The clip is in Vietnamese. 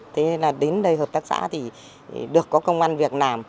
thế nên là đến đây hợp tác xã thì được có công an việc làm